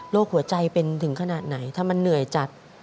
หัวใจเป็นถึงขนาดไหนถ้ามันเหนื่อยจัด